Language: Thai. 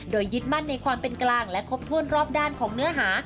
โดยยึดมั่นในความเป็นกลางและครบถ้วนรอบด้านของเนื้อหา